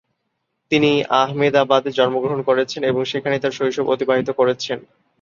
তিনি আহমেদাবাদে জন্মগ্রহণ করেছেন এবং সেখানেই তাঁর শৈশব অতিবাহিত করেছেন।